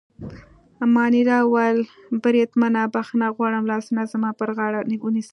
مانیرا وویل: بریدمنه، بخښنه غواړم، لاسونه زما پر غاړه ونیسه.